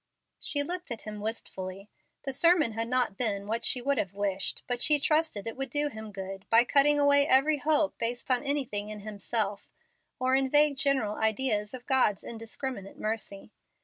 She looked at him wistfully. The sermon had not been what she would have wished, but she trusted it would do him good by cutting away every hope based on anything in himself or in vague general ideas of God's indiscriminate mercy.